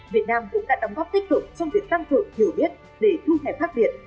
việt nam cũng đã đóng góp tích cực trong việc tăng thưởng hiểu biết để thu hẹp phát biệt